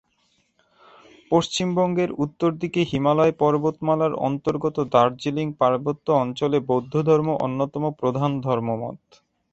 পশ্চিমবঙ্গের উত্তর দিকে হিমালয় পর্বতমালার অন্তর্গত দার্জিলিং পার্বত্য অঞ্চলে বৌদ্ধধর্ম অন্যতম প্রধান ধর্মমত।